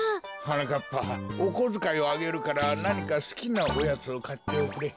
はなかっぱおこづかいをあげるからなにかすきなオヤツをかっておくれ。